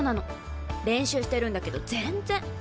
練習してるんだけど全然。